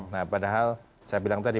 nah padahal saya bilang tadi